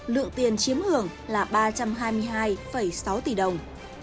lượng tiền chiếm hưởng là ba trăm hai mươi hai sáu tỷ đồng